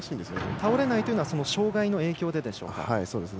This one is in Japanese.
倒れないというのは障がいの影響でですね。